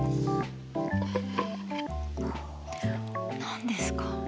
何ですか？